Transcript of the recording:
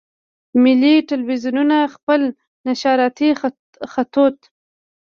ملي ټلویزیونونه خپل نشراتي خطوط.